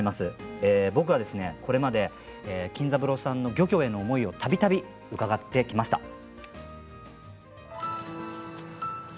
僕はこれまで金三郎さんの漁業への思いをたびたび伺ってきました。